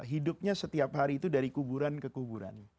hidupnya setiap hari itu dari kuburan ke kuburan